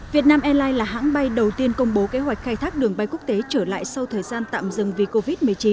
việt nam airlines là hãng bay đầu tiên công bố kế hoạch khai thác đường bay quốc tế trở lại sau thời gian tạm dừng vì covid một mươi chín